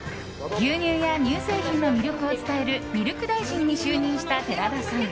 牛乳や乳製品の魅力を伝えるミルク大臣に就任した寺田さん。